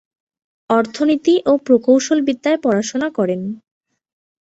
অর্থনীতি ও প্রকৌশলবিদ্যায় পড়াশোনা করেন।